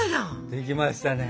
できましたね。